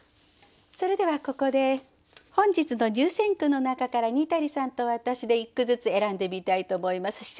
それではここで本日の入選句の中からにたりさんと私で一句ずつ選んでみたいと思います。